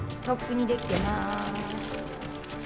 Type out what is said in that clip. とっくにできてます